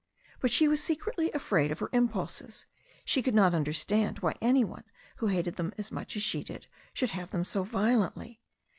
But she was secretly afraid of her impulses. She could not understand why any one who hated them as much as she did should have them so violently.